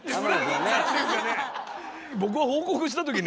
僕が報告した時ね